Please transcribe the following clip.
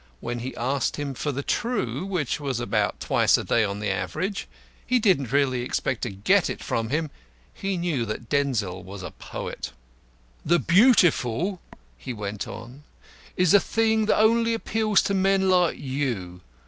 When he asked him for the True which was about twice a day on the average he didn't really expect to get it from him. He knew that Denzil was a poet. "The Beautiful," he went on, "is a thing that only appeals to men like you.